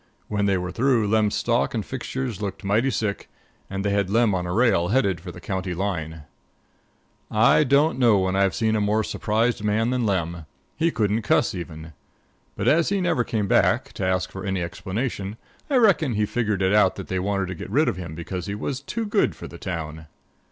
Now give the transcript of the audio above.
When they were through, Lem's stock and fixtures looked mighty sick, and they had Lem on a rail headed for the county line. I don't know when I've seen a more surprised man than Lem. He couldn't cuss even. But as he never came back, to ask for any explanation, I reckon he figured it out that they wanted to get rid of him because he was too good for the town.